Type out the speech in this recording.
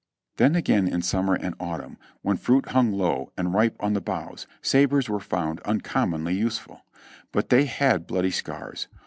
Then again in summer and autumn, when fruit hung low and ripe on the boughs, sabres were found uncommonly useful. But they had bloody scars.